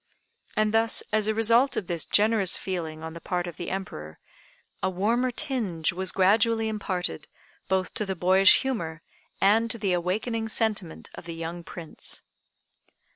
And thus as a result of this generous feeling on the part of the Emperor, a warmer tinge was gradually imparted both to the boyish humor and to the awakening sentiment of the young Prince.